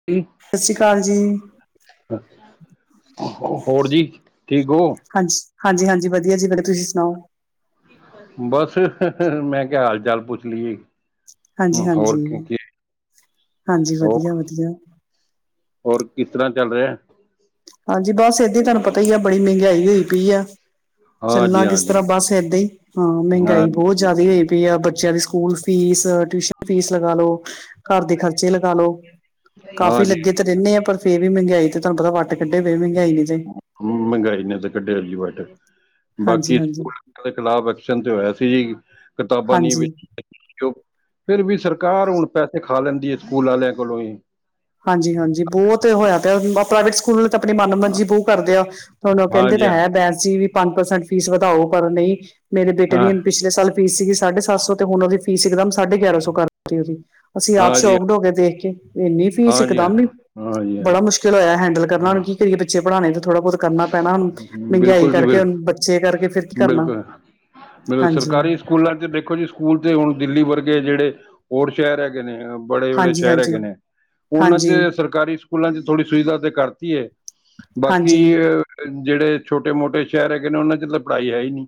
[unintelligible] ਸਤਿ ਸ਼੍ਰੀ ਅਕਾਲ ਜੀ। ਹੋਰ ਜੀ ਠੀਕ ਓ। ਹਾਂਜੀ ਹਾਂਜੀ ਹਾਂਜੀ ਵਧੀਆ ਜੀ ਬੜੇ ਤੁਸੀਂ ਸੁਣਾਓ। ਬਸ ਮੈਂ ਕਿਹਾ ਚਾਲ ਪੁੱਛ ਲਈਏ। ਹਾਂਜੀ ਹਾਂਜੀ ਹੋਰ ਹਾਂਜੀ ਹੋਰ ਵਧੀਆ ਵਧੀਆ। ਹੋਰ ਕਿਸ ਤਰ੍ਹਾਂ ਚੱਲ ਰਿਹਾ। ਹਾਂਜੀ ਬਸ ਏਦਾਂ ਹੀ ਤੁਹਾਨੂੰ ਪਤਾ ਹੀ ਆ ਬੜੀ ਮਹਿੰਗਾਈ ਹੋਈ ਪਈ ਆ। ਹਾਂਜੀ ਚੱਲਣਾ ਕਿਸ ਤਰ੍ਹਾਂ ਹਾਂਜੀ ਬੱਸ ਏਦਾਂ ਹੀ ਹਾਂ ਹਾਂ ਮਹਿੰਗਾਈ ਬਹੁਤ ਜ਼ਿਆਦਾ ਹੋਈ ਏ ਤੇ ਆ ਬੱਚਿਆਂ ਦੀ ਸਕੂਲ ਫੀਸ ਟਿਊਸ਼ਨ ਫੀਸ ਲਗਾ ਲੋ। ਘਰ ਦੇ ਖਰਚੇ ਲਗਾ ਲੋ ਕਾਫ਼ੀ ਹਾਂਜੀ ਲੱਗੇ ਤੇ ਰਹਿੰਦੇ ਆ ਪਰ ਫੇਰ ਵੀ ਮਹਿੰਗਾਈ ਤੇ। ਤੁਹਾਨੂੰ ਪਤਾ ਵੱਟ ਕੱਢੇ ਪਏ ਮਹਿੰਗਾਈ ਨੇ ਜੀ ਮਹਿੰਗਾਈ ਨੇ ਤਾਂ ਕੱਢਿਆ ਜੀ ਵੱਟ ਹਾਂਜੀ ਬਾਕੀ ਹਾਂਜੀ ਸਕੂਲ ਦੇ ਖਿਲਾਫ਼ ਐਕਸ਼ਨ ਤੇ ਹੋਇਆ ਸੀ ਜੀ ਕਿਤਾਬਾਂ ਨੀ ਹਾਂਜੀ ਵੇਚਣੀਆ। ਕਿਉ ਫਿਰ ਵੀ ਸਰਕਾਰ ਹੁਣ ਪੈਸੇ ਖਾ ਲੈਂਦੀ ਹੈ ਸਕੂਲ ਵਾਲਿਆਂ ਕੋਲੋਂ ਹੀ। ਹਾਂਜੀ-ਹਾਂਜੀ, ਬਹੁਤ ਹੋਇਆ ਪਿਆ! ਪ੍ਰਾਈਵੇਟ ਸਕੂਲ ਤੇ ਆਪਣੀ ਮਨ ਮੰਜੀ ਬੂਹ ਕਰਦੇ ਆ, ਹੁਣ ਕਹਿੰਦੇ ਹਾਂਜੀ ਤਾਂ ਹਾਂ ਹੈ, ਬੈਂਸ ਜੀ ਵੀ! ਪੰਜ ਪਰਸੈਂਟ ਫੀਸ ਵਧਾਓ, ਪਰ ਨਹੀਂ, ਮੇਰੇ ਬੇਟੇ ਹਾਂ ਦੀ ਪਛ ਪਿਛਲੇ ਸਾਲ, ਫੀਸ ਸੀਗੀ ਸਾਢੇ ਸੱਤ ਸੌ, ਤੇ ਹੁਣ ਉਹਦੀ ਫੀਸ ਇੱਕਦਮ, ਸਾਢੇ ਗਿਆਰਾਂ ਸੌ ਕਰ ਦਿੱਤੀ ਉਹਦੀ! ਅਸੀਂ, ਆਪ ਹਾਂਜੀ ਸ਼ੌਕਢ ਹੋ ਗਏ ਦੇਖ ਕੇ, ਇੰਨੀ ਫੀਸ ਹਾਂਜੀ ਹਾਂ ਇਕਦਮ ਨ ਹਾਂਜੀ ਹਾਂ ਬੜਾ ਮੁਸ਼ਕਿਲ ਚਲੋ ਹੈਂਡਲ ਕਰਨਾ, ਉਹ ਹਾਂ ਕੀ ਕਰੀਏ ਬੱਚੇ ਪੜ੍ਹਾਣੇ ਤੇ ਥੋੜ੍ਹਾ-ਬਹੁਤ ਕਰਨਾ ਪੈਣਾ, ਹੁਣ ਮਹਿੰਗਾਈ, ਬਿਲਕੁਲ ਜੀ ਬਿਲ ਕਰਕੇ ਬੱਚੇ ਕਰਕੇ, ਫਿਰ ਕੀ ਕਰਨਾ। ਮੈਨੂੰ, ਹਾਂਜੀ, ਸਰਕਾਰੀ ਸਕੂਲਾਂ ਤੇ ਦੇਖੋ ਜੀ? ਸਕੂਲ ਤੇ ਹੁਣ ਦਿੱਲੀ ਵਰਗੇ, ਜਿਹੜੇ ਹੋਰ ਸ਼ਹਿਰ ਹੈਗੇ ਨੇ, ਬੜੇ-ਬੜੇ ਸ਼ਹਿਰ ਹੈਗੇ ਹਾਂਜੀ-ਹਾਂਜੀ, ਨੇ ਹਾਂਜੀ, ਉਹਨਾਂ ਅੱਗੇ ਹਾਂਜੀ। ਸਰਕਾਰੀ ਸਕੂਲਾਂ ਚ ਥੋੜ੍ਹੀ ਸੁਵਿਧਾ ਤੇ ਕਰਤੀ ਏ, ਬਾਕੀ ਹਾਂਜੀ ਜਿਹੜੇ ਛੋਟੇ-ਮੋਟੇ ਸ਼ਹਿਰ ਹੈਗੇ ਨੇ, ਉਹਨਾਂ ਚ ਤਾਂ ਪੜ੍ਹਾਈ ਹੈ ਹੀ ਨੀ!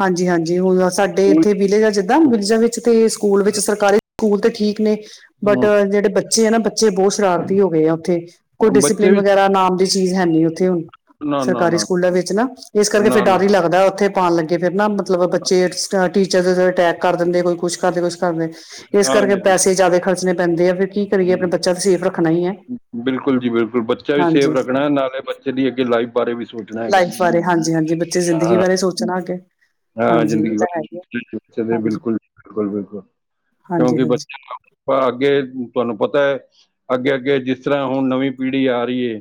ਹਾਂਜੀ-ਹਾਂਜੀ, ਹੁਣ ਸਾਡੇ ਇੱਥੇ ਵਿਲੇਗਾ ਜ ਵਿਲੇਜਾਂ ਵਿੱਚ ਤੇ, ਸਕੂਲ ਵਿੱਚ ਸਰਕਾਰੀ ਸਕੂਲ ਤੇ ਠੀਕ ਨੇ, ਬਟ ਹਮ, ਜਿਹੜੇ ਬੱਚੇ ਬੱਚੇ ਹੈ ਨਾ, ਬੱਚੇ ਬਹੁਤ ਸ਼ਰਾਰਤੀ ਹੋ ਗਏ ਆ, ਉੱਥੇ ਕੋਈ ਬੱਚੇ ਡਿਸਪਲਿਨ, ਵੀ ਵਗੈਰਾ ਨਾਮ ਦੀ ਚੀਜ਼ ਹੈਨੀ ਉੱਥੇ ਹੁਣ। ਨਾ ਨਾ ਸਰਕਾਰੀ ਨਾ ਸਕੂਲਾਂ ਵਿੱਚ ਨਾ, ਇਸ ਕਰਕੇ ਫ਼ਿਰ ਨਾ ਨਾ ਡਰ ਹੀ, ਲੱਗਦਾ ਉੱਥੇ ਪਾਉਣ ਲੱ ਫਿਰ ਨਾ, ਮਤਲਬ ਬੱਚੇ ਟੀਚਰ ਦੇ ਉ ਅਟੈਕ ਕਰ ਦਿੰਦੇ, ਕੋਈ ਕੁਛ ਕਰਦੇ, ਕੁਛ ਕਰਦੇ! ਇਸ ਕਰਕੇ ਹਾਂਜੀ, ਹਾਂਜੀ ਪੈਸੇ ਜ਼ਿਆਦਾ ਖਰਚਣੇ ਪੈਂਦੇ ਆ ਫਿਰ ਕੀ ਕਰੀਏ ਆਪਣਾ ਬੱਚਾ ਤਾ ਸੇਫ ਰੱਖਣਾ ਹੀ ਹੈ। ਬਿਲਕੁਲ ਜੀ ਬਿਲਕੁਲ ਬੱਚਾ ਵੀ ਸੇਫ ਹਾਂਜੀ ਰੱਖਣਾ ਨਾਲੇ ਬੱਚੇ ਦੀ ਅੱਗੇ ਲਾਈਫ ਬਾਰੇ ਵੀ ਸੋਚਣਾ ਹੈ। ਬਾਰੇ ਹਾਂਜੀ ਹਾਂਜੀ। ਬੱਚੇ ਦੀ ਜ਼ਿੰਦਗੀ ਬਾਰੇ ਸੋਚਣਾ ਅੱਗੇ। ਹਾਂ ਹਾਂਜੀ ਇਹ ਜ਼ਿੰਦਗੀ ਤਾਂ ਹੈਗੇ ਬਿਲਕੁਲ, ਹਾਂਜੀ-ਹਾਂਜੀ-ਹਾਂਜੀ ਬਿਲਕੁਲ, ਬਿਲਕੁਲ! ਕਿਉਂਕਿ ਹਾਂਜੀ ਬੱਚੇ ਹਾਂ, ਅੱਗੇ ਤੁਹਾਨੂੰ ਪਤਾ ਹੈ ਅੱਗੇ-ਅੱਗੇ, ਜਿਸ ਤਰ੍ਹਾਂ ਹੁਣ ਨਵੀਂ ਪੀੜ੍ਹੀ, ਆ ਰਹੀ ਹੈ।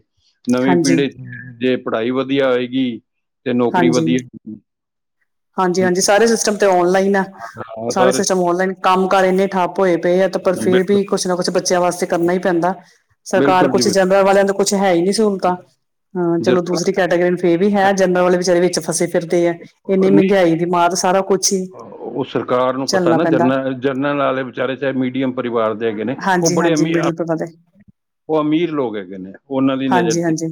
ਨਵੀਂ ਹਾਂਜੀ ਹਾਂਜੀ ਪੀੜ੍ਹੀ ਚ, ਜੇ ਪੜ੍ਹਾਈ ਵਧੀਆ ਹੋਏਗੀ, ਤੇ ਨੌਕਰੀ ਹਾਂਜੀ, ਵਧੀਆ ਹੋਏਗੀ। ਹਾਂਜੀ-ਹਾਂਜੀ, ਸਾਰੇ ਸਿਸਟਮ ਤੇ ਔਨਲਾਈਨ ਆ! ਸਾਰੇ ਸਿਸਟਮ ਔਨਲਾਈਨ, ਕੰਮ ਕਾਰ ਇੰਨੇ ਠੱਪ ਹੋਏ ਪਏ ਆ। ਪਰ ਫੇਿਰ ਬਿਲਕੁਲ ਵੀ, ਕੁਛ ਨਾ ਕੁਛ ਬੱਚਿਆਂ ਵਾਸਤੇ, ਕਰਨਾ ਹੀ ਪੈਂਦਾ ਸਰਕਾਰ ਬਿਲਕੁਲ ਜੀ ਕੁਛ ਬਿਲਕੁਲ ਜਨਰਲ, ਵਾਲਿਆਂ ਦਾ ਕੁੱਛ ਹੈ ਹੀ ਨਹੀਂ। ਸਹੂਲਤਾਂ, ਹਾਂ ਚਲੋ ਜਨਰਲ ਦੂਸਰੀ ਕੈਟੇਗਰੀ ਨੂੰ ਫੇਰ ਵੀ ਹੈ, ਜਨਰਲ ਵਾਲੇ ਵਿਚਾਰੇ, ਵਿੱਚ ਫਸੇ ਫਿਰਦੇ ਅ ਇੰਨੀ ਨਹੀਂ ਮਹਿੰਗਾਈ ਦੀ ਮਾਤ, ਸਾਰਾ ਕੁਛ ਹੀ! ਉਹ ਸਰਕਾਰ ਨੂੰ ਪਤਾ ਝੱਲਣਾ ਨਾ ਪੈਂਦਾ ਜਰਨਲ, ਜਰਨਲ ਵਾਲੇ ਵਿਚਾਰੇ ਚਾਹੇ, ਮੀਡੀਅਮ ਪਰਿਵਾਰ ਦੇ ਹੈਗੇ ਨੇ, ਉਹ ਬੜੇ ਹਾਂਜੀ-ਹਾਂਜੀ ਅਮੀ [unintelligible] [inaudible] ਉਹ, ਅਮੀਰ ਲੋਕ ਹੈਗੇ ਨੇ, ਉਹਨਾਂ ਦੀ ਨਜ਼ਰ ਚ ਹਾਂਜੀ-ਹਾਂਜੀ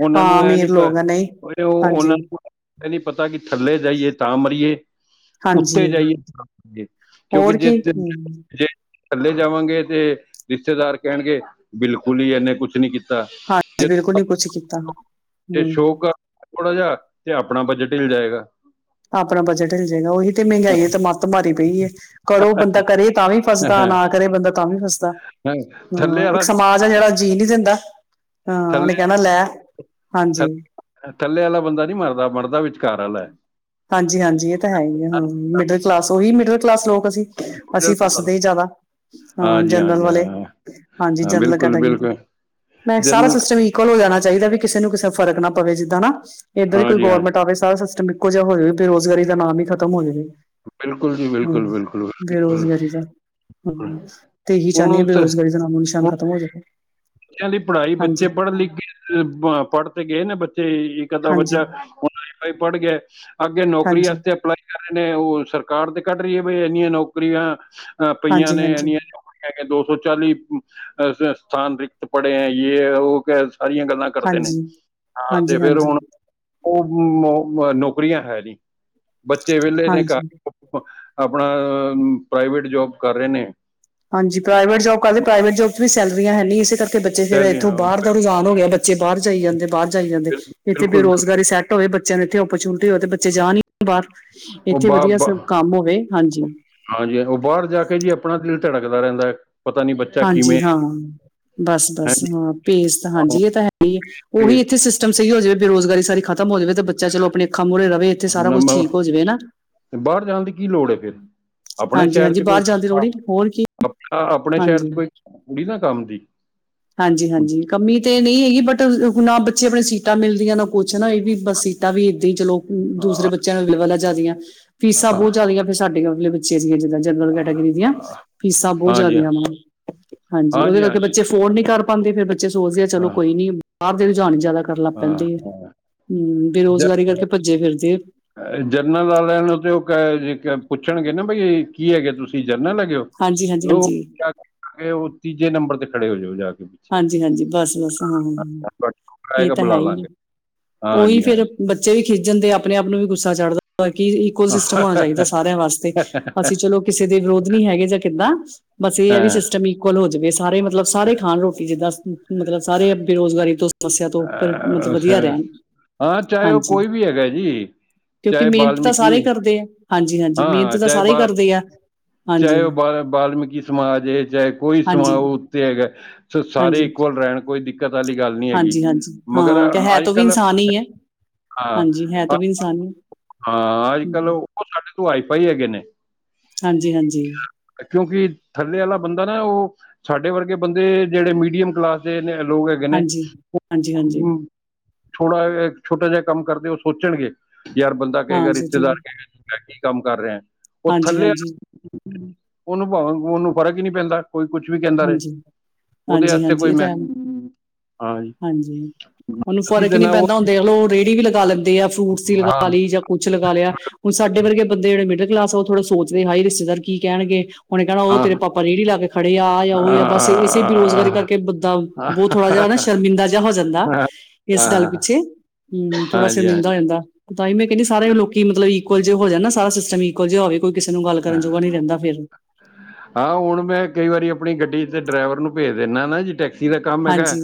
ਉਹਨਾਂ ਨੂੰ, ਹਾਂ ਇਹ ਨੀ ਅਮੀਰ ਪਰ, ਲੋਕ ਆ ਨਹੀਂ ਉਹ ਉਹਨਾਂ ਨੂੰ ਇਹ ਨਹੀਂਪਤਾ ਕਿ, ਥੱਲੇ ਜਾਈਏ ਤਾਂ ਮਰੀਏ ਹਾਂਜੀ-ਹਾਂਜੀ ਉੱਤੇ ਜਾਈਏਏ, ਤਾ ਮਰਿਈਏ ਕਿਉਂਕਿ ਹੋਰ ਜੇ ਕੀ ਹੂੰ ਥੱਲੇ ਜਾਵਾਂਗੇ, ਤੇ ਰਿਸ਼ਤੇਦਾਰ ਕਹਿਣਗੇ ਬਿਲਕੁਲ, ਹੀ ਇਨੇ ਕੁਛ ਨੀ ਕੀਤਾ ਹਾਂਜੀ, ਬਿਲਕੁਲ ਨੀ ਕੁੱਛ ਕੀਤਾ। ਤੇ ਹੂੰ। ਸ਼ੋਕ ਥੋੜਾ ਜਿਹਾ, ਤੇ ਆਪਣਾ ਬਜਟ ਹਿਲ ਜਾਏਗਾ! ਆਪਣਾ, ਬਜਟ ਹਿਲ ਜਾਏਗਾ, ਉਹੀ ਤੇ ਮਹਿੰਗਾਈਏ ਤੇ, ਮੱਤ ਮਾਰੀ ਪਈ ਏ, ਕਰੋ ਬੰਦਾ ਕਰੇ ਤਾਂ ਵੀ ਫਸਦਾ, ਨਾ ਕਰੇ ਬੰਦਾ ਤਾਂ ਵੀ ਫਸਦਾ। ਥੱਲੇ ਹਾਂ, ਵਾਲਾ ਇੱਕ ਨਹੀਂ ਸਮਾਜ ਹੈ ਜਿਹੜਾ, ਜੀਅ ਨਹੀਂੀ ਦਿੰਦਾ! ਹਾਂ, ਉਹਨੇ ਥੱਲੇ ਕਹਿਣਾ, ਲੈ, ਹਾਂਜੀ! ਥੱਲੇ- ਥੱਲੇ ਵਾਲਾ, ਬੰਦਾ ਨੀ ਮਰਦਾ, ਮਰਦਾ ਵਿਚਕਾਰ ਵਾਲਾ ਹਾਂਜੀ- ਹਾਂਜੀ ਇਹ ਤਾਂ ਹੈ ਹੀ ਆ, ਹਾਂ ਮਿਡਲ ਕਲਾਸ, ਉਹੀ ਮਿਡਲ ਕਲਾਸ ਲੋਕ ਅਸੀਂ। ਅਸੀਂ, ਫਸਦੇ ਜ਼ਿਆਦਾ ਹਾਂ ਅ, ਜੀ ਹਾਂ ਜਨਰਲ ਜੀ ਵਾਲੇ, ਹਾਂ ਹਾਂਜੀ ਹਾਂ ਜਨਰਲ ਬਿਲਕੁਲ ਕੈਟਾਗਰੀ ਦੇ। ਬਿਲਕੁਲ ਮੈਂ, ਸਾਰਾ ਜਨਰਲ ਸਿਸਟਮ ਹੀ [unintelligible] ਹੋ ਜਾਣਾ ਚਾਹੀਦਾ, ਵੀ ਕਿਸੇ ਨੂੰ ਕਿਸੇ ਫਰਕ ਨਾ ਪਵੇ, ਜਿੱਦਾਂ ਨਾ ਇਦਾਂ ਦੀ ਹਾਂ ਕੋਈ ਜੀ ਹਾਂ ਗੌਰਮੈਂਟ ਆਵੇ, ਸਾਰਾ ਸਿਸਟਮ [unintelligible] ਹੋ ਜਾਵੇ ਬੇਰੁਜ਼ਗਾਰੀ ਦਾ ਨਾਮ ਹੀ ਖਤਮ ਹੋ ਜਾਵੇ। ਬਿਲਕੁਲ ਜੀ ਹੂੰ, ਬਿਲਕੁਲ ਬਿਲਕੁਲ ਬਿਲਕੁਲ। ਬੇਰੁਜ਼ਗਾਰੀ ਦਾ। ਹੂੰ ਤੇ ਇਹੀ ਹੁਣ ਚਾਹੁੰਦੇ ਹਾਂ, ਉਸ ਹੁਣ ਬੇਰੁਜ਼ਗਾਰੀ ਦਾ ਨਾਮੋ-ਨਿਸ਼ਾਨ ਖਤਮ ਹੋ ਜਾਵੇ। ਬੱਚਿਆਂ ਦੀ ਪੜ੍ਹਾਈ ਹਾਂਜੀ, ਬੱਚੇ ਹਾਂਜੀ, ਪੜ੍ਹ ਲਿਖ ਪੜ੍ਹ ਤੇ ਗਏ ਨੇ ਬੱਚੇ। ਹਾਂਜੀ, ਬੱਚਾ ਹੁ ਪੜ੍ਹ ਗਿਆ ਅੱਗੇ ਨੌਕਰੀ ਹਾਂਜੀ, ਅਪਲਾਈ। ਕੀ ਕਹ ਰਹੇ ਨੇ ਉਹ ਸਰਕਾਰ ਤੇ ਕੱਢ ਰਹੀ ਹੈ ਬਈ ਇੰਨੀਆਂ ਨੌਕਰੀਆਂ ਪਈਆਂ ਹਾਂਜੀ, ਨੇ ਹਾਂਜੀ, ਇੰਨੀਆਂ। ਮੈ ਕਿਹਾ ਦੋ ਸੌ ਚਾਲੀ ਸਥਾਨ ਰਿਕਤ ਪੜ੍ਹੇ ਹੈ ਯੇ ਹੈ ਉਹ ਸਾਰੀਆਂ ਗੱਲਾਂ। ਕਰਦੇ ਨੇ ਹਾਂਜੀ, ਹਾਂ ਤੇ ਫੇਿਰ ਹਾਂਜੀ, ਹੁਣ। ਉਹ ਹੁਣ ਨੌਕਰੀਆਂ ਹੈ ਨੀ ਬੱਚੇ ਵਿਹਲੇ ਨੇ ਹਾਂਜੀ। ਘਰ। ਆਪਣਾ ਪ੍ਰਾਈਵੇਟ ਜੋਬ ਕਰ ਰਹੇ ਨੇ। ਹਾਂਜੀ ਪ੍ਰਾਈਵੇਟ ਜੋਬ ਕਰਦੇ ਪ੍ਰਾਈਵੇਟ ਜੋਬ ਚ ਵੀ ਸੈਲਰੀਆਂ ਹੈਨੀ ਇਸੇ ਕਰਕੇ ਬੱਚੇ ਫੇਰ ਸੈਲਰੀਆਂ ਇੱਥੋਂ ਬਾਹਰ। ਦਾ ਰੁਝਾਨ ਹੋ ਗਿਆ ਬੱਚੇ ਬਾਹਰ ਜਾਈ ਜਾਂਦੇ, ਬਾਹਰ ਜਾਈ ਜਾਂਦੇ ਇੱਥੇ ਬਿਲਕੁਲ ਬਿਲਕੁਲ ਬੇਰੁਜ਼ਗਾਰੀ ਸੈਟ। ਹੋਵੇ ਬੱਚਿਆਂ ਨੂੰ ਇੱਥੇ ਓਪਰਚੁਨਿਟੀ ਹੋਵੇ ਤੇ ਬੱਚੇ ਜਾਨ ਹੀ ਨਾ ਬਾਹਰ ਉਹ ਇੱਥੇ ਵਧੀਆ ਬਾ ਕੰਮ ਹੋਵੇ ਹਾਂਜੀ। ਹਾਂਜੀ ਉਹ ਬਾਹਰ ਜਾ ਕੇ ਜੀ ਆਪਣਾ ਦਿਲ ਧੜਕਦਾ ਰਹਿੰਦਾ ਪਤਾ ਨੀ ਬੱਚਾ ਕਿਵੇਂ ਹਾਂਜੀ ਹਾਂ ਬਸ ਹੈ। ਬਸ ਹਾਂ ਭੇਸ ਤਾਂ ਹਾਂਜੀ ਇਹ ਤਾਂ ਹੈ ਹੀ ਉਹੀ ਇੱਥੇ। ਸਿਸਟਮ ਸਹੀ ਹੋ ਜਾਵੇ ਬੇਰੋਜ਼ਗਾਰੀ ਸਾਰੀ ਖਤਮ ਹੋ ਜਾਵੇ ਤੇ ਬੱਚਾ ਚਲੋ ਆਪਣੇ ਅੱਖਾਂ ਮੁਹਰੇ ਰਹਵੇ ਇੱਥੇ ਸਾਰਾ ਕੁਝ ਠੀਕ ਹੋ ਜਾਵੇ ਹਨਾ। ਤੇ ਬਾਹਰ ਜਾਣ ਦੀ ਕੀ ਲੋੜ ਹੈ ਫਿਰ, ਆਪਣੇ ਹਾਂਜੀ ਸ਼ਹਿਰ ਹਾਂਜੀ ਚ ਕੋਈ ਬਾਹਰ ਜਾਣ ਦੀ ਲੋੜ ਹੀ ਨਹੀਂ। ਹੋਰ ਕੀ ਆਪਣੇ ਸ਼ਹਿਰ ਹਾਂਜੀ ਚ ਕੋਈ ਕੁੜੀ ਨਾ ਕੰਮ ਦੀ। ਹਾਂਜੀ, ਹਾਂਜੀ ਕਮੀ ਤੇ ਨਈ ਹੈਗੀ ਬਟ ਨਾ ਬੱਚੇ ਆਪਨੇ ਸੀਟਾਂ ਮਿਲਦੀਆਂ, ਨਾ ਕੋਛ ਨਾ ਏਡੀ ਬਸ ਈ ਤਾਂ ਵੀ ਇਦਾਂ ਈ ਚਲੋ ਦੂਸਰੇ ਹਾਂ ਬੱਚਿਆਂ ਨੂੰ [unintelligible] ਲਾ ਜ਼ਿਆਦੀਆਂ ਫੀਸਾਂ ਹਾਂ, ਬਹੁਤ ਜ਼ਿਆਦੀਆਂ, ਫਿਰ ਸਾਡੇ ਆਪਲੇ ਬੱਚੇ ਦੀਆਂ ਜਿੱਦਾਂ ਜਨਰਲ ਕੈਟੇਗਰੀ ਦੀਆਂ, ਫੀਸਾਂ ਬਹੁਤ ਹਾਂਜੀ ਜ਼ਿਆਦੀਆਂ ਵਾ। ਹਾਂਜੀ, ਉਹਦੇ ਕਰਕੇ ਬੱਚੇ ਅਫੋਰਡ ਨਹੀਂ ਕਰ ਪਾਉਂਦੇ, ਫਿਰ ਬੱਚੇ ਸੋਚਦੇ ਆ, ਚਲੋ ਹਾਂ ਕੋਈ ਨਹੀਂ। ਬਾਹਰ ਦੇ ਰੁਝਾਨ ਜਿਆਦਾ ਕਰਨ ਲੱਗ ਹਾਂ ਪੈਂਦੇ ਹੈ ਹਾਂ। ਹ ਬੇਰੋਜਗਾਰੀ ਕਰਕੇ ਭੱਜੇ ਫਿਰਦੇ ਆ। ਜਰਨਲ ਵਾਲਿਆਂ ਨੂੰ ਤੇ ਉਹ ਕ ਪੁੱਛਣਗੇ ਨਾ ਬਈ ਕੀ ਹੈਗੇ ਤੁਸੀਂ ਜਰਨਲ ਹੈਗੇ ਹੋ। ਹਾਂਜੀ ਹਾਂਜੀ ਲੋ ਹਾਂਜੀ ਚੱਕ ਕੇ ਉਹ ਤੀਜੇ ਨੰਬਰ ਤੇ ਖੜੇ ਹੋਜਾਓ ਜਾ ਕੇ। ਪਿੱਛੇ ਹਾਂਜੀ ਹਾਂਜੀ ਬਸ ਬਸ ਹਾਂ ਹਾਂ ਇਹ ਆਏਗਾ ਤਾਂ ਹੈ ਬੁਲਾ ਹੀ ਆ ਲਾਂਗੇ ਉਹੀ ਹਾਂਜੀ ਫੇਰ। ਬੱਚੇ ਵੀ ਖਿੱਜ ਜਾਂਦੇ ਆਪਣੇ ਆਪ ਨੂੰ ਵੀ ਗੁੱਸਾ ਚੜ੍ਹਦਾ ਕੀ ਇਕੋ ਸਿਸਟਮ ਹੋਣਾ ਹਾਂਜੀ ਚਾਹੀਦਾ ਸਾਰਿਆਂ ਵਾਸਤੇ। ਅਸੀਂ ਹਾਂ ਚਲੋ ਕਿਸੇ ਦੇ ਵਿਰੋਧ ਨਹੀਂ ਹੈਗੇ ਜਾਂ ਕਿੱਦਾਂ ਬਸ ਇਹ ਹੈ ਵੀ ਸਿਸਟਮ ਹੀ, ਕੋਲ ਹੋ ਜਾਵੇ ਸਾਰੇ ਮਤਲਬ ਸਾਰੇ ਖਾਣ ਰੋਟੀ ਜਿੱਦਾਂ। ਮਤਲਬ ਸਾਰੇ ਬੇਰੁਜ਼ਗਾਰੀ ਤੋਂ ਸਮੱਸਿਆ ਤੋਂ ਉੱਪਰ ਮਤਲਬ ਵੱਧੀਆ ਅਹ, ਰਹਿਣ। ਹਾਂ ਚਾਹੇ ਉਹ ਹਾਂਜੀ ਕੋਈ ਵੀ ਹੈਗਾ ਜੀ। ਕਿਉਂਕਿ ਚਾਹੇ ਮਿਹਨਤ ਤਾਂ ਬਾਲਮੀਕੀ ਸਾਰੇ ਹੀ ਕਰਦੇ ਆ, ਹਾਂਜੀ ਹਾਂਜੀ ਹਾਂ ਮਿਹਨਤ ਹਾਂ ਤਾਂ ਚਾਹੇ ਸਾਰੇ ਹੀ ਬਾ ਕਰਦੇ ਆ। ਹਾਂਜੀ ਚਾਹੇ ਉਹ ਬ ਬਾਲਮੀਕੀ ਸਮਾਜ ਹੈ ਚਾਹੇ ਕੋਈ ਸਮਾਜ ਹਾਂਜੀ ਉਹ ਉੱਤੇ ਹੈਗਾ। ਹਾਂਜੀ ਸਾਰੇ ਇਕੁਅਲ ਰਹਿਣ ਕੋਈ ਦਿੱਕਤ ਵਾਲੀ ਗੱਲ ਨਹੀਂ ਹੈਗੀ ਹਾਂਜੀ ਹਾਂਜੀ ਮਗਰ ਹਾਂ ਕਿ ਹੈ ਅੱਜ ਤੋਂ ਵੀ ਕੱਲ੍ਹ। ਇਨਸਾਨ ਹੀ ਹੈ ਹਾਂ ਹਾਂਜੀ ਹੈ ਤੋਂ ਵੀ ਇਨਸਾਨ ਹੀ ਹੈ ਹਾਂ ਅੱਜ ਕੱਲ੍ਹ ਹਮ, ਉਹ ਸਾਡੇ ਤੋਂ ਵਾਈਫਾਈ ਹੈਗੇ ਨੇ। ਹਾਂਜੀ ਹਾਂਜੀ। ਕਿਉਂਕਿ ਥੱਲੇ ਆਲਾ ਬੰਦਾ ਨਾ ਓ ਸਾਡੇ ਵਰਗੇ ਬੰਦੇ ਜੇੜੇ ਮੀਡੀਅਮ ਕਲਾਸ ਦੇ ਨੇ, ਲੋਗ ਹੈਗੇ ਨੇ ਹਾਂਜੀ ਹਾਂਜੀ ਹਾਂਜੀ ਥੋੜਾ ਜਾ ਛੋਟਾ ਜੇਆ ਕੰਮ ਕਰਦੇ ਓ ਸੋਚਨਗੇ ਯਾਰ ਬੰਦਾ ਹਾਂ ਕਏਗਾ, ਰਿਸ਼ਤੇਦਾਰ ਸੋਚੂਗਾ ਕਏਗਾ ਕੀ ਕੰਮ ਕਰ ਰੇਐਂ, ਓ ਹਾਂਜੀ ਥੱਲੇ ਹਾਂਜੀ ਓਨੂੰ ਪਾਵੇਂ ਓਨੂੰ ਫਰਕ ਈ ਨੀ ਪੈਂਦਾ ਕੋਈ ਕੁਛ ਵੀ ਕੈਂਦਾ ਰਏ, ਹਾਂਜੀ ਓਦੇ ਹਾਂਜੀ ਆਸਤੇ ਹਾਂਜੀ ਕੋਈ ਇਹ ਤਾਂ ਮੈਂ ਹੈ। ਹਾਂ ਜੀ ਹਾਂਜੀ, ਓਨੂੰ ਅਸੀਂ ਫ਼ਰਕ ਈ ਤੇ ਨੀ ਨਾ ਉਹ ਪੈਂਦਾ, ਹੁਨ ਦੇਖ ਲੋ ਓ ਰੇੜੀ ਵੀ ਲਗਾ ਲੈਂਦੇ ਆ, ਫਰੂਟਸ ਦੀ ਹਾਂ ਲਗਾ ਲੀ ਜਾਂ ਕੁੱਛ ਲਗਾ ਲੇਆ, ਹੁਨ ਸਾਡੇ ਵਰਗੇ ਬੰਦੇ ਜੇੜੇ ਮਿਡਲ ਕਲਾਸ ਆ, ਓ ਥੋੜਾ ਸੋਚਦੇ ਹਾਏ ਰਿਸ਼ਤੇਦਾਰ ਕੀ ਕੈਣਗੇ ਓਨੇ ਕੈਣਾ ਓ ਹਾਂ ਤੇਰੇ ਪਾਪਾ ਰੇੜੀ ਲਾ ਕੇ ਖੜੇ ਆ ਓ ਯਾ ਹਾਂ ਬਾੱਸ ਏਸੇ ਬੇਰੋਜ਼ਗਾਰੀ ਹਾਂ, ਕਾਰਕੇ ਬੰਦਾ ਬੋ ਥੋੜਾ ਜੇਆ ਨਾ ਸ਼ਰਮਿੰਦਾ ਜੇਆ ਹੋ ਜਾਂਦਾ। ਇਸ ਡੱਲ ਪਿੱਛੇ, ਹੂੰ ਥੋੜਾ ਹਾਂ ਜੀ ਹਾਂ ਜੀ। ਸ਼ਰਮਿੰਦਾ ਪੈਂਦਾ ਤਾਂ ਈ ਮੈਂ ਕੈਂਦੀ ਸਾਰੇ ਲੋਕੀ ਮਤਲਬ ਇਕੋ ਜੇ ਹੋ ਜਾਣ ਨਾ, ਸਾਰਾ ਸਿਸਟਮ ਇਕੋ ਜੇਆ ਹੋਵੇ। ਕੋਈ ਕਿਸੇ ਨੂੰ ਗਾੱਲ ਕਰਨ ਜੋਗਾ ਨੀ ਰੈਂਦਾ ਫੇਰ ਹਾਂ, ਹੁਣ ਮੈਂ ਕਈ ਵਾਰੀ ਆਪਣੀ ਗੱਡੀ ਤੇ ਡਰਾਈਵਰ ਨੂੰ ਭੇਜ ਦਿੰਦਾ ਨਾ ਜੀ ਟੈਕਸੀ ਜੀਦਾ ਕੰਮ ਹੈਗੈ ਹਾਂਜੀ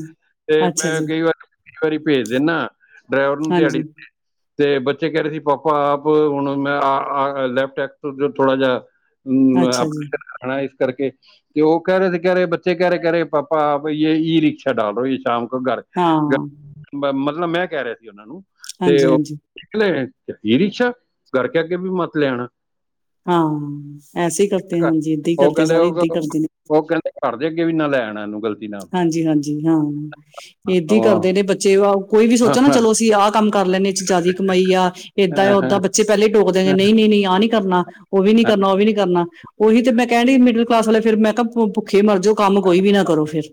ਤੇ ਅੱਛਾ ਮੈਂ ਜੀ ਕਈ ਵਾਰੀ, ਕਈ ਵਾਰੀ ਪੇਜ਼ ਦੇਨਾ ਡਰਾਈਵਰ ਨੂੰ ਹਾਂਜੀ ਦਿਆੜੀ ਤੇ ਬੱਚੇ ਕਹ ਰੇ ਸੀ ਪਾਪਾ ਆਪ ਹੁਣ ਮੈਂ ਲੈਪਟਾਪ ਤੇ ਜੋ ਥੋੜਾ ਜਿਹਾ ਅੱਛਾ ਅਮ [unintelligible] ਜੀ ਕਰਨਾ ਇਸ ਕਰਕੇ ਤੇ ਉਹ ਕਹਿ ਰਹੇ ਸੀ ਕਹਿ ਰਹੇ, ਬੱਚੇ ਕਹਿ ਰਹੇ ਕਹਿ ਰਹੇ ਪਾਪਾ ਭਈ ਯੇ ਇ ਰਿਕਸ਼ਾ ਡਾਲ ਦੋ ਸ਼ਾਮ ਕੋ ਘਰ ਹਾਂ ਮਤਲਬ ਮੈਂ ਕਹਿ ਰਿਹਾ ਸੀ ਉਹਨਾਂ ਨੂੰ ਤੇ ਹਾਂਜੀ ਉਹ ਹਾਂਜੀ ਨਿਕਲੇ ਈ ਰਿਕਸ਼ਾ। ਘਰ ਕੇ ਆਗੇ ਬੀ ਮੱਤ ਲੈ ਆਣਾ। ਹਾਂ ਐਸੇ ਹੀ ਕਰਤੇ, ਹਾਂਜੀ ਇੱਦਾਂ ਹੀ ਉਹ ਕਰਦੇ ਕਹਿੰਦੇ ਸਾਰੇ, ਉਹ ਇੱਦਾਂ ਹੀ ਕਰਦੇ ਨੇ। ਉਹ ਕਹਿੰਦੇ ਘਰ ਦੇ ਅੱਗੇ ਵੀ ਨਾ ਲੈ ਆਣਾ ਇਹਨੂੰ ਗਲ ਹਾਂਜੀ-ਹਾਂਜੀ ਹਾਂ ਇਹ ਇੱਦਾਂ ਹੀ ਕਰਦੇ ਨੇ ਬੱਚੇ, ਕੋਈ ਵੀ ਸੋਚੋ ਨਾ ਚਲੋ ਅਸੀਂ ਆ ਕਰ ਲੈਂਦੇ ਇਹ ਚ ਜ਼ਿਆਦੀ ਕਮਾਈ ਆ। ਇੱਦਾਂ ਆ, ਓਦਾਂ ਬੱਚੇ ਪਹਿਲੇ ਹੀ ਟੋਕ ਦੇਣਗੇ ਨਹੀਂ-ਨਹੀਂ-ਨਹੀਂ ਆਹ ਨਹੀਂ ਕਰਨਾ। ਉਹ ਵੀ ਨਹੀਂ ਕਰਨਾ, ਉਹ ਵੀ ਨਹੀਂ ਕਰਨਾ। ਉਹੀ ਤੇ ਮੈਂ ਕਹਿਣ ਦਈ ਮਿਡਲ ਕਲਾਸ ਵਾਲੇ ਫਿਰ ਮੈਂ ਕਿਹਾ ਭੁੱਖੇ ਮਰਜੋ ਕੰਮ ਕੋਈ ਵੀ ਨਾ ਕਰੋ ਫਿਰ,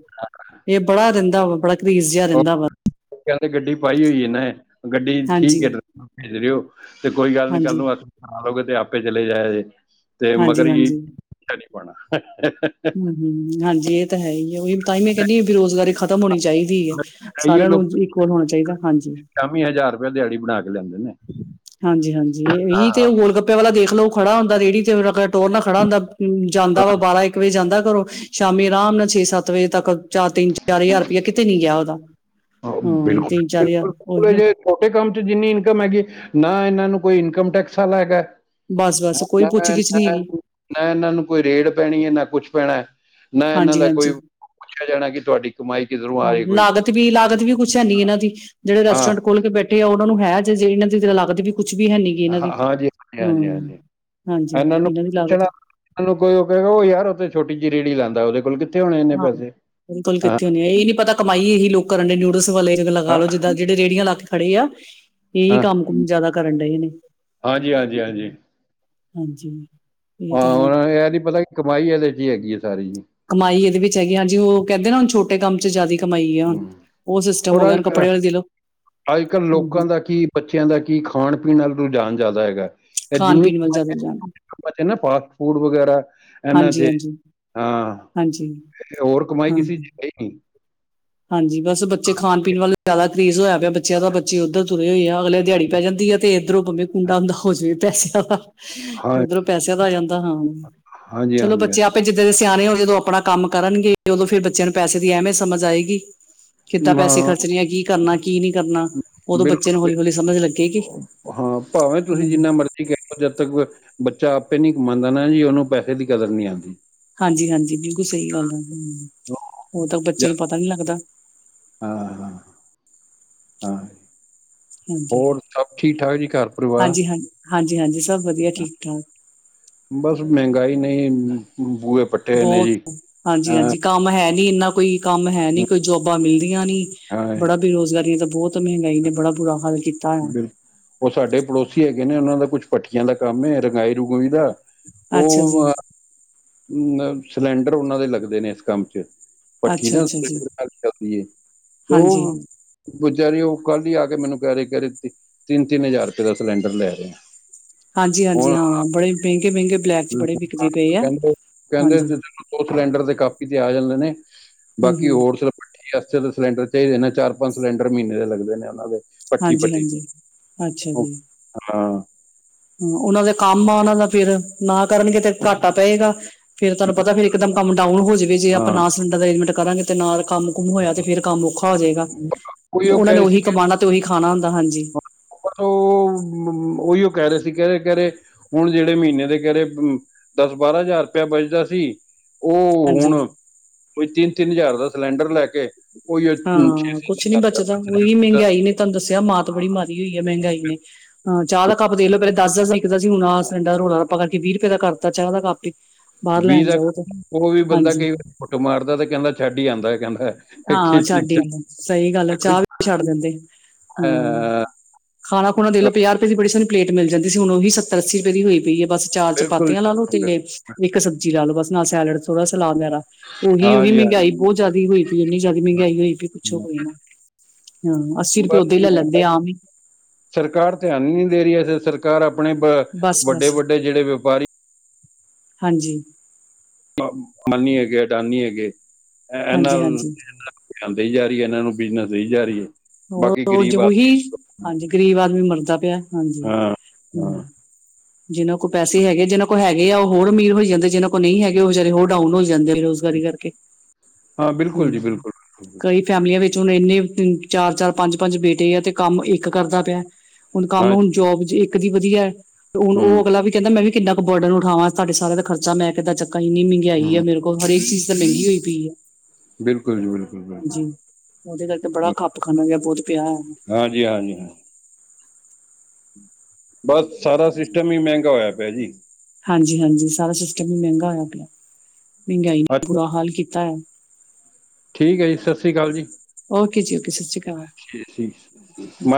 ਇਹ ਬੜਾ ਰਹਿੰਦਾ ਵਾ ਬੜਾ ਘਰੀਸ ਜਿਹਾ ਰਹਿੰਦਾ ਵਾ ਕਹਿੰਦੇ ਗੱਡੀ ਪਾਈ ਹੋਈ ਹੈ ਇਹਨੇ। ਗੱਡੀ ਹਾਂਜੀ ਠੀਕ ਹੈ [unintelligible] ਭੇਜ ਰਹੇ ਹੋ। ਤੇ ਕੋਈ ਗੱਲ ਨੀ ਕੱਲ ਹਾਂਜੀ ਨੂੰ ਆਜੋ ਨਹਾ ਧੋ ਕੇ ਤੇ ਆਪੇ ਚਲੇ ਜਾਏ ਜੇ। ਤੇ ਮਗਰ ਹਾਂਜੀ ਈ ਹਾਂਜੀ ਰਿਕਸ਼ਾ ਨਹੀਂ ਪਾਉਣਾ। ਹੂੰ ਹਾਂਜੀ ਇਹ ਤਾਂ ਹੈ ਹੀ ਹੈ। ਉਹੀ ਤਾਂ ਹੀ ਮੈਂ ਕਹਿੰਨੀ ਇਹ ਬੇਰੁਜ਼ਗਾਰੀ ਖ਼ਤਮ ਹੋਣੀ ਚਾਹੀਦੀ ਹੈ। ਸਾਰਿਆਂ ਨੂੰ ਇਕੁਅਲ ਹੋਣਾ ਚਾਹੀਦਾ, ਹਾਂਜੀ। ਤਾਵੀਂ ਹਜ਼ਾਰ ਰੁਪਿਆ ਦਿਹਾੜੀ ਬਣਾ ਕੇ ਲਿਆਂਦੇ ਨੇ। ਹਾਂਜੀ-ਹਾਂਜੀ ਇਹੀ ਤੇ ਉਹ ਗੋਲ ਗੱਪੇ ਵਾਲਾ ਦੇਖ ਲਓ ਖੜਾ ਹੁੰਦਾ ਰੇਹੜੀ ਟੋਰ ਨਾਲ ਖੜਾ ਹੁੰਦਾ, ਜਾਂਦਾ ਵਾ ਬਾਰਾਂ-ਇੱਕ ਵਜੇ ਜਾਂਦਾ ਘਰੋਂ ਤੇ ਸ਼ਾਮੀ ਆਰਾਮ ਨਾਲ ਛੇ-ਸੱਤ ਵਜੇ ਤੱਕ ਚਾਰ-ਤਿੰਨ ਚਾਰ ਜ਼ਾਰ ਰੁਪੇਆ ਕਿਤੇ ਨੀ ਗੇਆ ਓਦਾ ਬਿਲਕੁਲ-ਬਿਲਕੁਲ, ਬਿਲਕੁਲ ਐ ਆ ਜੇ ਛੋਟੇ ਕੰਮ ਚ ਜਿੰਨੀ ਇਨਕਮ ਹੈਗੀ, ਨਾ ਇਨਾਂ ਨੂੰ ਕੋਈ ਇਨਕਮ ਟੈਕਸ ਆਲਾ ਹੈਗਾ। ਬਸ ਬਸ ਕੋਈ ਨਾ ਪੁੱਛ ਨਾ ਗਿੱਛ ਨਹੀਂ ਹੈਗੀ ਨਾ ਇਹਨਾਂ ਨੂੰ ਕੋਈ ਰੇਡ ਪੈਣੀ ਹੈ, ਨਾ ਕੁਛ ਪੈਣਾ ਹੈ। ਨਾ ਇਹਨਾਂ ਹਾਂਜੀ ਦਾ ਕੋਈ ਹਾਂਜੀ ਪੁੱਛਿਆ ਜਾਣਾ ਕਿ ਤੁਹਾਡੀ ਕਮਾਈ ਕਿਧਰੋਂ ਆ ਰਹੀ ਕੋਈ ਤੇ ਵੀ ਲਾਗਤ ਵੀ ਕੁੱਛ ਹੈਨੀ ਇਹਨਾਂ ਦੀ। ਜਿਹੜੇ ਹਾਂ ਰੈਸਟੋਰੈਂਟ ਖੋਲ ਕੇ ਬੈਠੇ ਆ ਉਹਨਾਂ ਨੂੰ ਹੈ ਜੇ ਇਹਨਾਂ ਦੀ ਤੇ ਲਾਗਤ ਵੀ ਕੁਛ ਵੀ ਹੈ ਨਹੀਂ। ਇਹਨਾਂ ਦੀ, ਹਾਂ ਹਾਂ ਜੀ ਹਾਂ ਜੀ ਹਾਂ ਜੀ ਹੂੰ ਹਾਂਜੀ, ਇਹਨਾਂ ਦੀ ਲਾਗਤ ਚਲੋ ਕੋਈ ਉਹ ਕਹੇਗਾ ਉਹ ਯਾਰ ਉਹ ਤੇ ਛੋਟੀ ਜਿਹੀ ਰੇਹੜੀ ਲਾਉਂਦਾ ਉਹਦੇ ਕੋਲ ਕਿ ਹਾਂ ਬਿਲਕੁਲ ਕਿੱਥੇ ਹੁੰਦੇ ਆ ਇਹ ਨਹੀਂ ਪਤਾ ਕਮਾਈ ਇਹੀ ਲੋਕ ਕਰਨ ਦਏ। ਨੂਡਲਸ ਵਾਲੇ ਲਗਾ ਹਾਂ ਲਉ ਜਿੱਦਾਂ ਜਿਹੜੇ ਰੇਹੜੀਆਂ ਲਾ ਕੇ ਖੜੇ ਆ। ਇਹੀ ਹਾਂ ਕੰਮ ਕੁਮ ਜਿਆਦਾ ਕਰਨ ਡਏ ਨੇ। ਹਾਂਜੀ, ਹਾਂਜੀ-ਹਾਂਜੀ। ਹਾਂਜੀ। ਇਹ ਤਾਂ ਹਾਂ ਹੈ ਹੁਣ ਇਹ ਨਹੀਂ ਪਤਾ ਕਿ ਕਮਾਈ ਇਹਦੇ ਚ ਹੀ ਹੈਗੀ ਹੈ ਸਾਰੀ ਜੀ। ਕਮਾਈ ਇਹਦੇ ਵਿੱਚ ਹੈਗੀ ਆ ਜੀ ਉਹ ਕਹਿੰਦੇ ਨਾ ਹੁਣ ਛੋਟ ਇਹ ਕੰਮ ਚ ਜਿਆਦਾ ਕਮਾਈ ਆ ਹੁਣ। ਹੂੰ ਉਹ ਸਿਸਟਮ ਹੋ ਔਰ ਗਿਆ ਹੁਣ ਅੱਜ ਕੱਪੜੇ ਦੇ ਲਉ। ਅੱਜ ਕੱਲ੍ਹ ਹੂੰ ਹੂੰ। ਲੋਕਾਂ ਦਾ ਕੀ ਬੱਚਿਆਂ ਦਾ ਕੀ ਖਾਣ-ਪੀਣ ਨਾਲ ਰੁਝਾਨ ਜ਼ਿਆਦਾ ਹੈਗਾ ਐ। ਇਹ ਖਾਣ ਜਿੰਨੀ ਪੀਣ ਵੱਲ ਜ਼ਿਆਦਾ ਜਾਣ [unintelligible] ਬੱਚੇ ਨਾ ਫਾਸਟ ਫੂਡ ਵਗੈਰਾ ਇਹਨਾਂ ਹਾਂਜੀ ਚ, ਹਾਂਜੀ ਹਾਂ ਹਾਂਜੀ ਹੋਰ ਕਮਾਈ ਹਾਂ ਕਿਸੇ ਚ ਹੈ ਈ ਨਹੀਂ। ਹਾਂਜੀ ਬਸ ਬੱਚੇ ਖਾਣ-ਪੀਣ ਵੱਲ ਜ਼ਿਆਦਾ ਕਰੇਜ਼ ਹੋਇਆ ਪਿਆ ਬੱਚਿਆਂ ਦਾ, ਬੱਚੇ ਉੱਧਰ ਤੁਰੇ ਹੋਏ ਆ। ਅਗਲੇ ਦਿਹਾੜੀ ਪੈ ਜਾਂਦੀ ਆ ਤੇ ਇੱਧਰੋਂ ਭਾਵੇਂ ਕੁੰਡਾ ਹੁੰਦਾ ਹੈ ਜਾਏ ਪੈਸਿਆਂ ਦਾ। ਹਾਂ ਇਧਰੋਂ ਪੈਸਿਆਂ ਦਾ ਆ ਜਾਂਦਾ ਹਾਂ ਹਾਂਜੀ ਚਲੋ ਹਾਂਜੀ ਹਾਂ ਬੱਚੇ ਆਪ ਆਪੇ ਜਿੱਦਾਂ ਦੇ ਸਿਆਣੇ ਹੋਣ ਜਦੋਂ ਆਪਣਾ ਕੰਮ ਕਰਨਗੇ ਉਦੋਂ ਫਿਰ ਬੱਚਿਆਂ ਨੂੰ ਪੈਸੇ ਦੀ ਅਹਿਮੀਅਤ ਸਮਝ ਆਏਗੀ। ਕਿੱਦਾਂ ਪੈਸੇ ਹਾਂ, ਖਰਚਣੇ ਆ। ਕੀ ਕਰਨਾ, ਕੀ ਨਹੀਂ ਕਰਨਾ। ਉਦੋਂ ਬਿਲਕੁਲ ਬੱਚੇ ਨੂੰ ਹੌਲੀ-ਹੌਲੀ ਸਮਝ ਲੱਗੇਗੀ। ਭਾਵੇਂ ਤੁਸੀਂ ਹਮ ਜਿੰਨਾ ਠੀਕ ਐ ਜਦ ਤੱਕ ਬੱਚਾ ਆਪੇ ਨਹੀਂ ਕਮਾਉਂਦਾ ਨਾ ਜੀ ਉਹਨੂੰ ਪੈਸੇ ਦੀ ਕਦਰ ਨਹੀਂ ਆਉਂਦੀ। ਹਾਂਜੀ-ਹਾਂਜੀ ਬਿਲਕੁਲ ਸਹੀ ਗੱਲ ਆ। ਹਾਂ ਉਹ ਤਾਂ ਬੱਚੇ ਨੂੰ ਪਤਾ ਨਹੀਂ ਲੱਗਦਾ। ਹਾਂ, ਹਾਂ, ਹਾਂ। ਹਾਂਜੀ ਹੋਰ ਸਭ ਠੀਕ ਠਾਕ ਜੀ ਘਰ ਪਰਿਵਾਰ ਹਾਂਜੀ ਹਾਂ ਹਾਂਜੀ, ਹਾਂਜੀ ਸਭ ਵਧੀਆ ਠੀਕ-ਠਾਕ। ਬਸ ਮਹਿੰਗਾਈ ਨੈ ਬੂਏ ਪਟ ਬਹੁਤ ਹਾਂਜੀ, ਹਾਂਜੀ ਕੰਮ ਹੈ ਨੀ ਇੰਨਾ ਕੋਈ ਕੰਮ ਹੈ ਨੀ ਕੋਈ ਜੋਬਾਂ ਮਿਲਦੀਆਂ ਨੀ ਹਾਂ ਬੜਾ ਬੇਰੁਜ਼ਗਾਰੀਆਂ ਤਾਂ ਬਹੁਤ ਮਹਿੰਗਾਈ ਨੇ ਬੜਾ ਬੁਰਾ ਹਾਲ ਕੀਤਾ ਆ ਬਿਲਕੁ ਉਹ ਸਾਡੇ ਪੜੋਸੀ ਹੈਗੇ ਨੇ ਉਹਨਾਂ ਦਾ ਕੁਝ ਭਠੀਆਂ ਦਾ ਕੰਮ ਏ ਰੰਗਾਈ ਰੰਗੂਈ ਦਾ ਅੱਛਾ ਜੀ ਉਹ ਅ ਅ ਸਿਲੰਡਰ ਉਹਨਾਂ ਦੇ ਲੱਗਦੇ ਨੇ ਇਸ ਕੰਮ ਚ ਭੱਠੀ ਅੱਛਾ ਨਾ ਅੱਛਾ ਜੀ ਗੜ-ਗੜ ਕਰਕੇ ਚੱਲਦੀਏ ਤੇ ਹਾਂਜੀ ਉਹ ਵੇਚਾਰੀ ਉਹ ਕੱਲ ਹੀ ਆ ਕੇ ਮੈਨੂੰ ਕਹਿ ਰਹੇ ਕਹਿ ਰਹੇ ਤਿੰਨ-ਤਿੰਨ ਹਜ਼ਾਰ ਰੁਪਏ ਦਾ ਸਿਲੰਡਰ ਲੈ ਰਿਹੇ ਹਾਂਜੀ, ਹਾਂਜੀ ਹਾਂ ਬੜੇ ਮਹਿੰਗੇ-ਮਹਿੰਗੇ ਬਲੈਕ ਚ ਬੜੇ ਵਿਕਦੇ ਪਏ ਆ ਕਹਿੰਦੇ ਕਹਿੰਦੇ ਨ‌ ਹਾਂਜੀ ਦੋ ਸਿਲੰਡਰ ਦੇ ਕਾਪੀ ਤੇ ਆ ਜਾਂਦੇ ਨੇ ਹੂੰ ਬਾਕੀ ਹੂੰ ਹੋਰ ਭਠੀ ਆਸਤੇ ਤਾਂ ਸਿਲੰਡਰ ਚਾਹੀਦੇ ਨੇ ਚਾਰ ਪੰਜ ਸਿਲੰਡਰ ਮਹੀਨੇ ਦੇ ਲੱਗਦੇ ਨੇ ਉਹਨਾਂ ਦੇ ਪੱਠੀ ਹਾਂਜੀ, ਪੱਠੀ ਹਾਂਜੀ ਅੱਛਾ ਉਹ ਜੀ ਹਾਂ ਹ ਉਹਨਾਂ ਦੇ ਕੰਮ ਆ ਉਹਨਾਂ ਦਾ ਫਿਰ ਨਾ ਕਰਨਗੇ ਤੇ ਘਾਟਾ ਪਏਗਾ ਫਿਰ ਤੁਹਾਨੂੰ ਪਤਾ ਫਿਰ ਇੱਕਦਮ ਕੰਮ ਡਾਊਨ ਹੋ ਜਾਵੇ ਜੇ ਆਪਾਂ ਹਾਂ ਨਾ ਸਿਲੰਡਰ ਦਾ ਅਰੇਂਜਮੈਂਟ ਕਰਾਂਗੇ ਤੇ ਨਾ ਕੰਮ ਮ ਹੋਇਆ ਤੇ ਫਿਰ ਕੰਮ ਔਖਾ ਹੋ ਜਾਏਗਾ ਕੋਈ ਉਹ ਉਹਨਾ ਕਹਿ ਨੇ ਰਹੇ ਉਹੀ ਕਮਾਉਣਾ ਤੇ ਉਹੀ ਖਾਣਾ ਹੁੰਦਾ ਹਾਂਜੀ ਬਟ ੳ,, ਉਹੀਓ ਕਹਿ ਰਹੇ ਸੀ ਕਹਰੇ ਕਹਿਹੇ ਹੁਣ ਜਿਹੜੇ ਮਹੀਨੇ ਦੇ ਕਿਹੜੇ ਦਸ ਬਾਰਾਂ ਹਜ਼ਾਰ ਰੁਪਇਆ ਬਚਦਾ ਸੀ ਉਹ ਹੁਣ ਹਾਂਜੀ ਕੋਈ ਤਿੰਨ-ਤਿੰਨ ਹਜ਼ਾਰ ਦਾ ਸਿਲੰਡਰ ਲੈ ਕੇ ਹਾਂ ਕੁਛ ਨੀ ਬਚਦਾ ਉਹੀ [unintelligible] ਮਹਿੰਗਾਈ ਨੇ ਤੁਹਾਨੂੰ ਦੱਸਿਆ ਮਾਤ ਬੜੀ ਮਾਰੀ ਹੋਈ ਹੈ ਮਹਿੰਗਾਈ ਨੇ। ਹਾ ਚਾਹ ਦਾ ਕੱਪ ਦੇਖਲੳ ਪਹਿਲੇ ਦੱਸ ਦੱਸ ਦਾ ਇ ਮਿਲਦਾ ਸੀ ਹੁਣ ਆਹ ਸਿਲੰਡਰ ਰੋਲਾ ਰਪਾ ਕਰਕੇ ਵੀਹ ਰੁਪਏ ਦਾ ਕਰਤਾ ਚਾਹ ਦਾ ਕੱਪ ਇੱਕ ਵੀ ਦਾ ਉਹ ਵੀ ਬੰਦਾ ਕਈ ਵਾਰ ਘੁਟ ਮਾਰਦਾ ਤੇ ਕਹਿੰਦਾ ਛੱਡ ਹੀ ਆਉਦਾ ਕਹਿੰਦਾ ਕਿ ਹਾਂ ਛੱਡ ਹੀ ਚੱਲ ਆਦਾ ਸਹੀ ਗੱਲ ਹੈ ਕੋਈ ਚਾਹ ਵੀ ਛੱਡ ਦਿੰਦੇ ਹਮ ਅਹ, ਖਾਣਾ ਖੁਣਾ ਦੇਖ ਲਓ ਪੰਜਾਹ ਰੁਪਏ ਦੀ ਬੜੀ ਸੋਣੀ ਪਲੇਟ ਮਿਲ ਜਾਂਦੀ ਸੀ ਹੁਣ ਉਹੀ ਸੱਤਰ ਅੱਸੀ ਰੁਪਏ ਦੀ ਹੋਈ ਪਈ ਹੈ ਬਸ ਚਾਰ ਬਿਲਕੁਲ ਚਪਾਤੀਆਂ ਲਾ ਲੋ ਤੇ ਇੱਕ ਸਬਜ਼ੀ ਲਾਲੋ ਬਸ ਨਾਲ ਸੈਲਡ ਥੋੜਾ ਸਲਾਦ ਵਗੈਰਾ ਉਹੀ ਹਾਂ ਉਹੀ ਜੀ ਹਾਂ ਮਹਿੰਗਾਈ ਬਹੁਤ ਜ਼ਿਆਦਾ ਹੋਈ ਜਿਆਦੀ ਮਹਿੰਗਾਈ ਹੋਈ ਪਈ ਪੁੱਛੋ ਜੀ। ਕੋਈ ਨਾ ਹਾਂ ਅੱਸੀ ਰੁਪਏ ਬਸ ਉਹਦੇ ਹੀ ਜੀ, ਲੈ ਲੈਂਦੇ ਆਮ ਹੀ ਸਰਕਾਰ ਧਿਆਨ ਹੀ ਨਹੀਂ ਦੇ ਰਹੀ ਸਰਕਾਰ ਆਪਣੇ ਬਸ ਬਸ ਵੱਡੇ-ਵੱਡੇ ਜਿਹੜੇ ਵਪਾਰੀ ਹਾਂਜੀ ਅੰਬਾਨੀ ਹੈਗੇ ਅਡਾਨੀ ਹੈਗੇ ਇਹ ਹਾਂਜੀ ਨਾਂਲ ਹਾਂਜੀ ਕੰਮ ਦੇਈ ਜਾ ਰਹੀ ਇਹਨਾਂ ਨੂੰ ਬਿਜਨਸ ਦੇਈ ਜਾ ਰਹੀ ਹੈ ਉਹ ਬਾਕੀ ਰੋਜ ਗਰੀਬ ਆ ਉਹੀ ਹਾਂਜੀ ਗ਼ਰੀਬ ਆਦਮੀ ਮਰਦਾ ਪਿਆ ਹਾਂਜੀ ਹਾਂ ਹਮ ਹਾਂ ਜਿਹਨਾਂ ਕੋਲ ਪੈਸੇ ਹੈਗੇ ਜਿਨਾਂ ਕੋਲ ਹੈਗੇ ਆ ਉਹ ਹੋਰ ਅਮੀਰ ਹੋ ਜਾਂਦੇ ਜਿਹਨਾਂ ਕੋਲ ਨਹੀਂ ਹੈਗੇ ਉਹ ਵਿਚਾਰੇ ਹੋਰ ਡਾਊਨ ਹੋਈ ਜਾਂਦੇ ਬੇਰੋਜ਼ਗਾਰੀ ਕਰਕੇ ਹਾਂ ਬਿਲਕੁਲ ਜੀ ਹਮ ਬਿਲਕੁਲ ਬਿਲਕੁਲ, ਬਿਲਕੁਲ। ਕਈ ਫੈਮਲੀਆਂ ਵਿੱਚ ਹੁਣ ਇੰਨੇ ਚਾਰ-ਚਾਰ ਪੰਜ-ਪੰਜ ਬੇਟੇ ਆ ਤੇ ਕੰਮ ਇੱਕ ਕਰਦਾ ਪਿਆ ਹੁਣ ਕੰਮ ਹਾਂ ਹੁਣ ਜੋਬ ਚ ਇੱਕ ਦੀ ਵਧੀਆ ਹੈ ਤੇ ਹੁਣ ਜੀ, ਉਹ ਹੂੰ ਅਗਲਾ ਵੀ ਕਹਿੰਦਾ ਮੈਂ ਵੀ ਕਿੰਨਾ ਕੁ ਬਰਡਨ ਉਠਾਵਾਂ ਤੁਹਾਡੇ ਸਾਰੇ ਦਾ ਖਰਚਾ ਮੈਂ ਕਿੱਦਾਂ ਚੱਕਾੰ ਇਨੀ ਹੂੰ ਮਹਿੰਗਾਈ ਏ ਫਿਰ ਹੋਰ ਹਰੇਕ ਚੀਜ਼ ਤਾਂ ਮਹਿੰਗੀ ਹੋਈ ਪਈ ਹੈ ਬਿਲਕੁਲ ਜੀ ਬਿਲਕੁੱਲ ਬਿਲਕੁਲ ਉਹਦੇ ਕਰਕੇ ਬੜਾ ਖੱਪ ਖਾਨਾ ਜਿਹਾ ਬਹੁਤ ਪਿਆ ਹੈ ਹਾਂਜੀ-ਹਾਂਜੀ ਹਾਂ ਬਸ ਸਾਰਾ ਸਿਸਟਮ ਹੀ ਮਹਿੰਗਾ ਹੋਇਆ ਪਿਆ ਜੀ ਹਾਂਜੀ-ਹਾਂਜੀ ਸਾਰਾ ਸਿਸਟਮ ਵੀ ਮਹਿੰਗਾ ਹੋਇਆ ਪਿਆ ਮਹਿੰਗਾਈ ਨੇ ਅੱਛਾ ਬੁਰਾ ਹਾਲ ਕੀਤਾ ਆ ਠੀਕ ਹੈ ਜੀ, ਸਤਿ ਸ੍ਰੀ ਅਕਾਲ ਜੀ ਓਕੇ ਜੀ ਓਕੇ ਸਤਿ ਸ੍ਰੀ ਅਕਾਲ [unintelligible]